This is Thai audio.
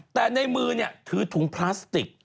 แต่ในมือถือถุงพลาสติก